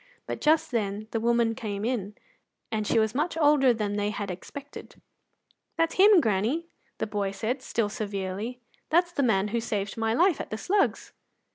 But just then the woman came in, and she was much older than they had expected. "That's him, granny," the boy said, still severely; "that's the man as saved my life at the Slugs."